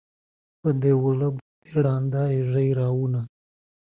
They've got a vacant date.